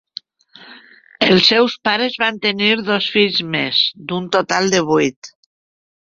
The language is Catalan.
Els seus pares van tenir dos fills més, d'un total de vuit.